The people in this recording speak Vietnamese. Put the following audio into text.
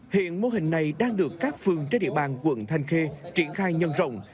hiện mô hình này đang được các phương trên địa bàn quận thanh khê triển khai nhân rộng